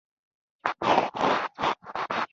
شاوخوا لس کاله هغوی سره د شپانه په توګه کار وکړي.